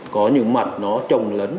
có những mặt nó trồng lấn